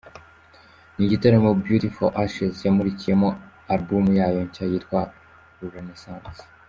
Ni igitaramo Beauty For Ashes yamurikiyemo album yayo nshya yitwa ‘Renaissance’.